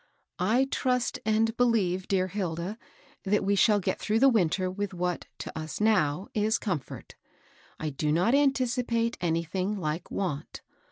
I trust and believe, dear Hilda, that we shall get through the winter with what, to us now, is comfort. I do not anticipate anything like want.